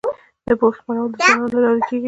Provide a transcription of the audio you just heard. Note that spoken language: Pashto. د پوهې خپرول د ځوانانو له لارې کيږي.